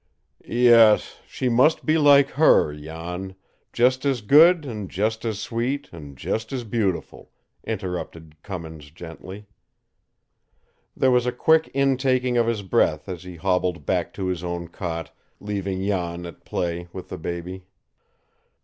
"Yes, she must be like HER, Jan just as good and just as sweet and just as beautiful," interrupted Cummins gently. There was a quick intaking of his breath as he hobbled back to his own cot, leaving Jan at play with the baby.